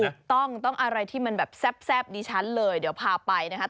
ก็แปลว่าจริงต้องอะไรที่แซ่บดีชั้นเลยเดี๋ยวพาไปนะครับ